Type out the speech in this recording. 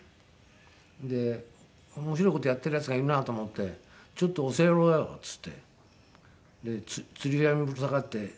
で面白い事やっているやつがいるなと思って「ちょっと教えろよ」って言って吊り輪にぶら下がって。